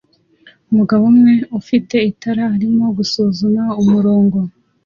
Umugabo umwe ufite itara arimo gusuzuma umurongo